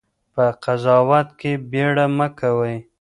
په قضاوت کې بېړه مه کوئ.